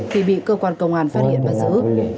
thì bị cơ quan công an phát hiện bắt giữ